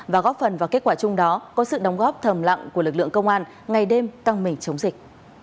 và góp phần vào kết quả chung đó có sự đóng góp thầm lặng của lực lượng công an ngày đêm căng mình chống dịch